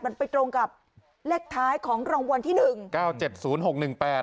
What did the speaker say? มันไปตรงกับเลขท้ายของรางวัลที่หนึ่งเก้าเจ็ดศูนย์หกหนึ่งแปด